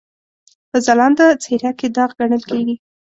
په ځلانده څېره کې داغ ګڼل کېږي.